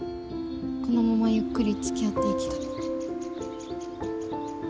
このままゆっくりつきあっていきたい。